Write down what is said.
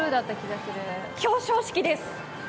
表彰式です。